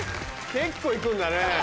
結構行くんだね。